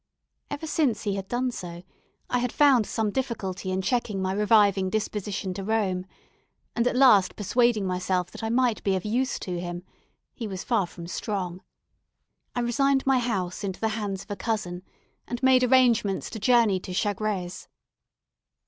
Ever since he had done so, I had found some difficulty in checking my reviving disposition to roam, and at last persuading myself that I might be of use to him (he was far from strong), I resigned my house into the hands of a cousin, and made arrangements to journey to Chagres.